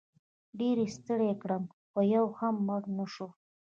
ډېر یې ستړی کړم خو یو هم مړ نه شو.